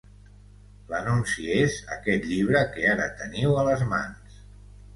L'anunci és aquest llibre que ara teniu a les mans.